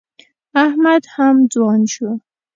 احمد هم ځوان شو.